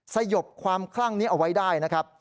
สยบความคลั่งนี้เอาไว้ได้นะครับ